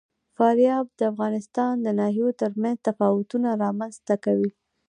فاریاب د افغانستان د ناحیو ترمنځ تفاوتونه رامنځ ته کوي.